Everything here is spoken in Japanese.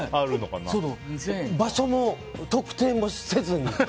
場所も特定もせずに。